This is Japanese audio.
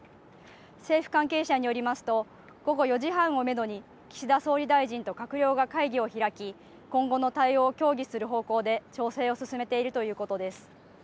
政府関係者によりますと午後４時半をめどに岸田総理大臣と閣僚が会議を開き今後の対応を協議する方向で調整を進めているということです。